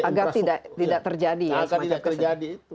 agar tidak terjadi semacam kesan